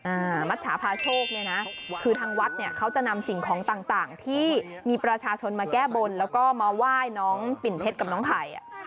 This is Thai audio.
มัชชาพาโชคเนี่ยนะคือทางวัดเนี่ยเขาจะนำสิ่งของต่างต่างที่มีประชาชนมาแก้บนแล้วก็มาไหว้น้องปิ่นเพชรกับน้องไข่อ่ะ